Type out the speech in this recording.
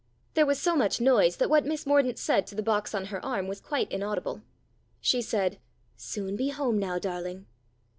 There was so much noise that what Miss Mordaunt said to the box on her arm was quite inaudible. She said :" Soon be home now, darling."